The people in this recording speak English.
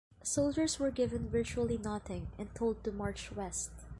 Soldiers were given virtually nothing and told to march west.